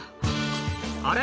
「あれ？